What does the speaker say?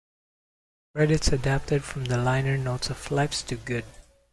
Credits adapted from the liner notes of "Life's Too Good".